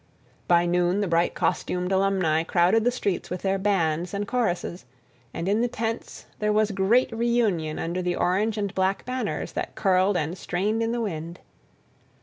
By noon the bright costumed alumni crowded the streets with their bands and choruses, and in the tents there was great reunion under the orange and black banners that curled and strained in the wind.